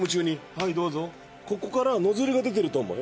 はいどうぞここからノズルが出てると思え。